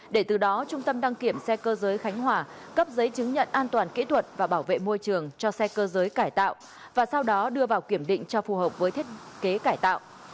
để từ đó trung tâm đăng kiểm xe cơ giới khánh hòa cấp giấy chứng nhận an toàn kỹ thuật và bảo vệ môi trường cho xe cơ giới cải tạo và sau đó đưa vào kiểm định cho phù hợp với thiết kế cải tạo